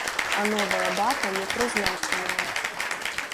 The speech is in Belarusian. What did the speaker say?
А новая дата не прызначаная.